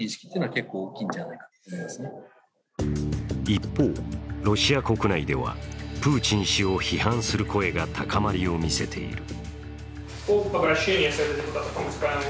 一方、ロシア国内ではプーチン氏を批判する声が高まりを見せている。